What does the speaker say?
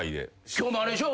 今日もあれでしょ。